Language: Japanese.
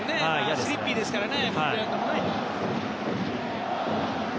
スリッピーですからね。